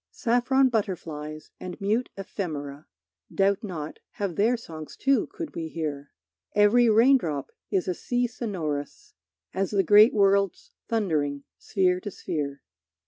Saffron butterflies and mute ephemera, Doubt not, have their songs too, could we hear. Every raindrop is a sea sonorous As the great worlds thundering sphere to sphere.